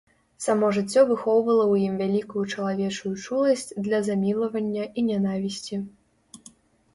Само жыццё выхоўвала ў ім вялікую чалавечую чуласць для замілавання і нянавісці.